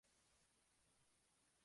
Donde prefiere la piedra caliza.